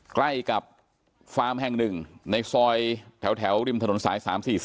ใกล้กับฟาร์มแห่งหนึ่งในซอยแถวริมถนนสาย๓๔๔